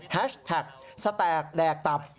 แฮชแท็กแสตรกแดกตับ